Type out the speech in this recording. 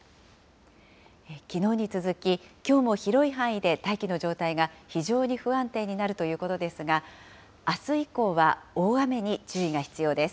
きのうに続き、きょうも広い範囲で大気の状態が非常に不安定になるということですが、あす以降は大雨に注意が必要です。